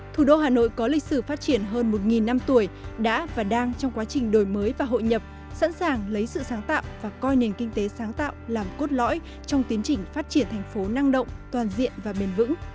thủ đô hà nội có lịch sử phát triển hơn một năm tuổi đã và đang trong quá trình đổi mới và hội nhập sẵn sàng lấy sự sáng tạo và coi nền kinh tế sáng tạo làm cốt lõi trong tiến trình phát triển thành phố năng động toàn diện và bền vững